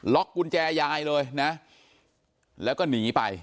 กุญแจยายเลยนะแล้วก็หนีไป